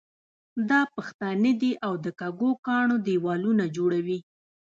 دا پښتانه دي او د کږو کاڼو دېوالونه جوړوي.